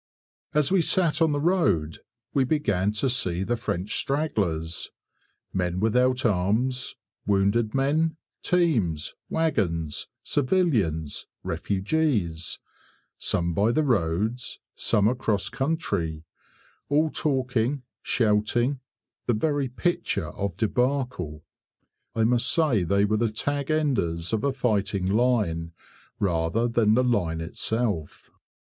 As we sat on the road we began to see the French stragglers men without arms, wounded men, teams, wagons, civilians, refugees some by the roads, some across country, all talking, shouting the very picture of debacle. I must say they were the "tag enders" of a fighting line rather than the line itself.